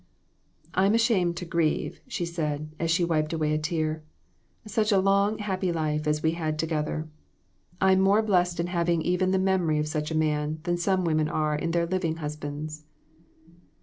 " I'm ashamed to grieve," she said, as she wiped away a tear ;" such a long, happy life as we had together. I'm more blessed in having even the memory of such a man than some women are in their living husbands."